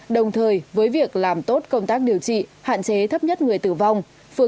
đồng thời với việc làm tốt công tác điều trị hạn chế thấp nhất người tử vong